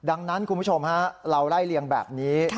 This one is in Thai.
ดังนั้นคุณผู้ชมฮะเราไล่เลียงแบบนี้